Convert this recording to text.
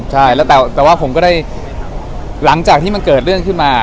ใช่แล้วแต่ว่าผมก็ได้หลังจากที่มันเกิดเรื่องขึ้นมา